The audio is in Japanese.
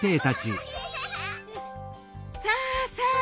さあさあ